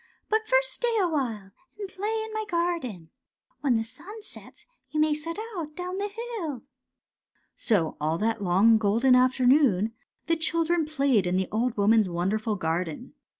But first stay awhile and play in my garden. When the sun sets you may set out down the hill. " So all that long golden afternoon the chil dren played in the old woman's wonderful garden.